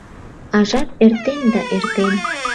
А жап эртен да эртен.